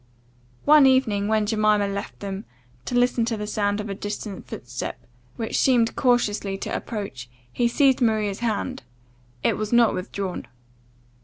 One evening, when Jemima left them, to listen to the sound of a distant footstep, which seemed cautiously to approach, he seized Maria's hand it was not withdrawn.